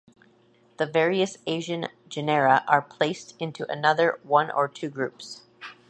The various Asian genera are placed into another one or two groups.